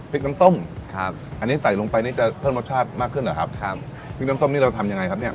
น้ำส้มครับอันนี้ใส่ลงไปนี่จะเพิ่มรสชาติมากขึ้นเหรอครับครับพริกน้ำส้มนี่เราทำยังไงครับเนี้ย